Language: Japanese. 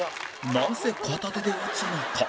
なぜ片手で打つのか